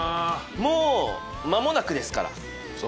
もう間もなくですからさあ